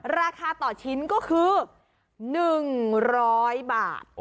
ราคาต่อชิ้นก็คือ๑๐๐บาท